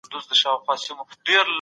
ولي ځيني هیوادونه سفیر نه مني؟